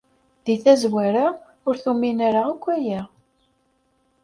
Deg tazwara, ur tumin ara akk aya.